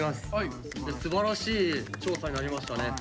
すばらしい調査になりましたね。